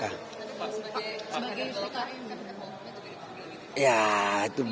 pak sebagai yusri km